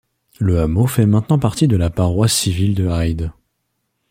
Le hameau fait maintenant partie de la paroisse civile de Hyde.